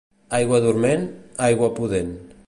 Aigua dorment, aigua pudent.